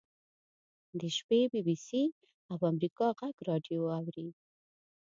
د شپې بي بي سي او امریکا غږ راډیو اوري.